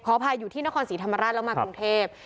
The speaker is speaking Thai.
อภัยอยู่ที่นครศรีธรรมราชแล้วมากรุงเทพ